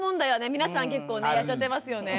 皆さん結構ねやっちゃってますよね。